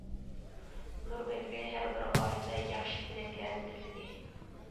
نۇر بەكرى ھەر بىر ئائىلىدە ياخشى تىلەكلەرنى تىلىدى.